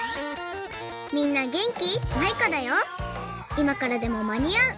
「いまからでもまにあう！